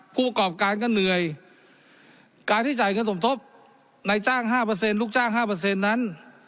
ผู้ประกอบการก็เหนื่อยการที่จ่ายเงินสมทบในลูกจ้าง๕นั้น